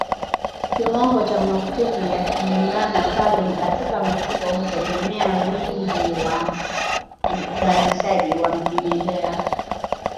Kiwango cha maambukizi ya ndigana kali katika mifugo hutegemea wingi wa uzalishaji wa vimelea